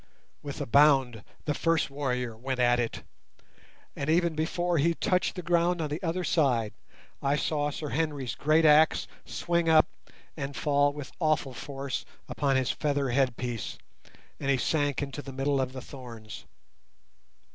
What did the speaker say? With a bound the first warrior went at it, and even before he touched the ground on the other side I saw Sir Henry's great axe swing up and fall with awful force upon his feather head piece, and he sank into the middle of the thorns.